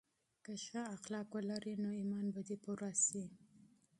که ښه اخلاق ولرې نو ایمان به دې پوره شي.